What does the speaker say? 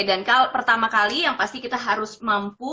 dan pertama kali yang pasti kita harus mampu